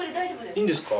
いいんですか。